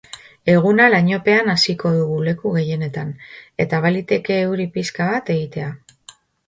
Eguna lainopean hasiko dugu leku gehienetan, eta baliteke euri pixka bat egitea.